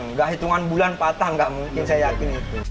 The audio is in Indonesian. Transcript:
nggak hitungan bulan patah nggak mungkin saya yakin itu